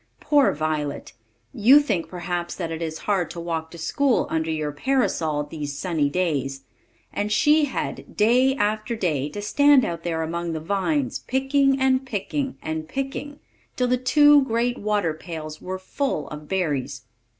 Poor Violet! You think, perhaps, that it is hard to walk to school under your parasol these sunny days; and she had, day after day, to stand out there among the vines, picking, and picking, and picking, till the two great water pails were full of berries.